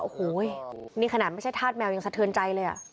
โอ้โหนี่ขนาดไม่ใช่ธาตุแมวยังสะเทือนใจเลย